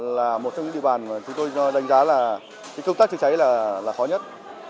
là một trong những địa bàn mà chúng tôi đánh giá là công tác chữa cháy là khó nhất